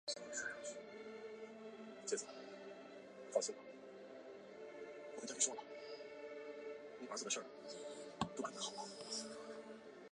北尚是弟弟。